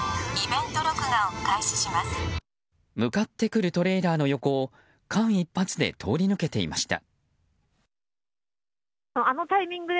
向かってくるトレーラーの横を間一髪で通り抜けていました。